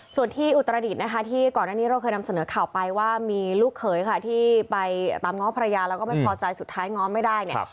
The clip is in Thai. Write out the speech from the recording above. ส่วนที่อุตรดิษฐ์นะคะที่ก่อนหน้านี้เราเคยนำเสนอข่าวไปว่ามีลูกเขยค่ะที่ไปตามง้อภรรยาแล้วก็ไม่พอใจสุดท้ายง้อไม่ได้เนี่ย